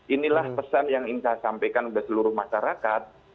inilah pesan yang ingin saya sampaikan kepada seluruh masyarakat